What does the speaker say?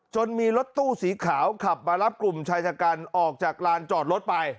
มีรถตู้สีขาวขับมารับกลุ่มชายชะกันออกจากลานจอดรถไป